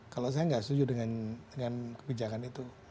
kalau saya nggak setuju dengan kebijakan itu